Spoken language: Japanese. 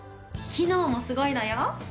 機能もすごいのよ！